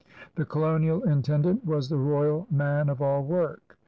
The colonial intend ant was the royal man of all work.